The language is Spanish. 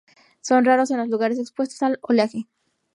Son raros en lugares expuestos al oleaje.